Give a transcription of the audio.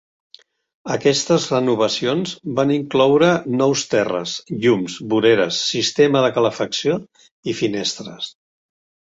Aquestes renovacions van incloure nous terres, llums, voreres, sistema de calefacció i finestres.